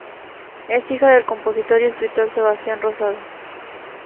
Es hija del compositor y escritor Sebastián Rosado.